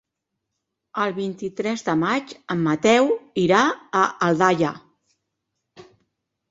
El vint-i-tres de maig en Mateu irà a Aldaia.